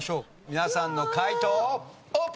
皆さんの解答をオープン！